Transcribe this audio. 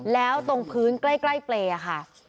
แล้วตรงพื้นใกล้เปรย์ค่ะ